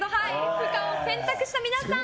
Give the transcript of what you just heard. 不可を選択した皆さん